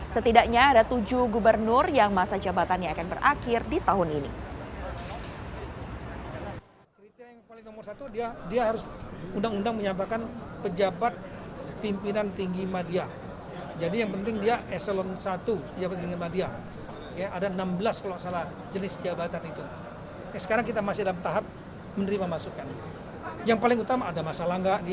setidaknya ada tujuh gubernur yang masa jabatannya akan berakhir di tahun ini